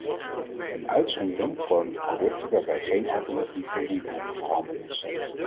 Een uitzondering vormen de producten waarbij geen alternatief voor dierproeven voorhanden is.